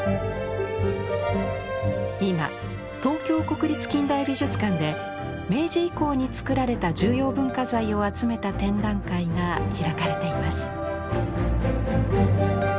今東京国立近代美術館で明治以降に作られた重要文化財を集めた展覧会が開かれています。